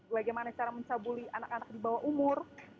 bagaimana cara mencabuli anak anak di bawah umur